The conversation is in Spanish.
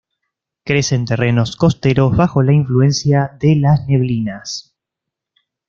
Crece en terrenos costeros bajo la influencia de las neblinas.